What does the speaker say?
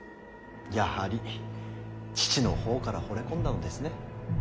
やはり父の方からほれ込んだのですね。